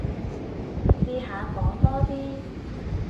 試下講多啲